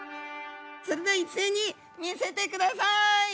それでは一斉に見せてください！